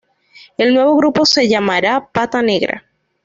El nuevo grupo se llamará Pata Negra.